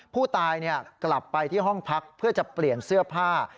ผู้ตายกลับไปที่ห้องพักเพื่อจะเปลี่ยนเสื้อผ้า